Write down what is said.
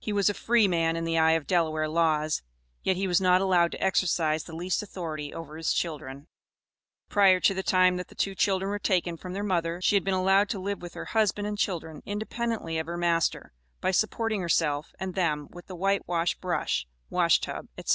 He was a "free man" in the eye of Delaware laws, yet he was not allowed to exercise the least authority over his children. Prior to the time that the two children were taken from their mother, she had been allowed to live with her husband and children, independently of her master, by supporting herself and them with the white wash brush, wash tub, etc.